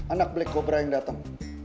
anak black cobra yang dateng